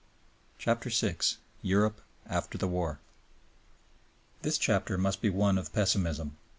CHAPTER VI EUROPE AFTER THE TREATY This chapter must be one of pessimism.